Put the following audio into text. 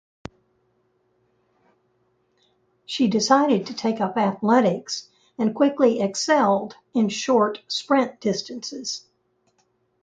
She decided to take up athletics and quickly excelled in short sprint distances.